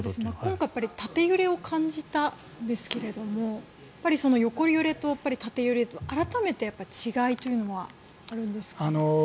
今回縦揺れを感じたんですが横揺れと縦揺れと改めて違いというのはあるんですか。